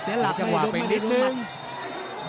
เสียหลักเลยโดดไม่ได้รู้มัด